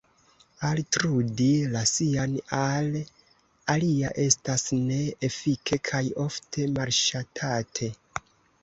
Altrudi la sian al alia estas ne-efike kaj ofte malŝatate.